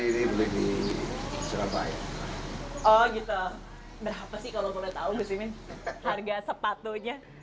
oh gitu berapa sih kalau boleh tahu gus imin harga sepatunya